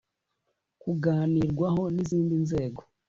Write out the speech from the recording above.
Kuganirwaho n izindi nzego